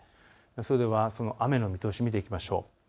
それでは雨の見通しを見ていきましょう。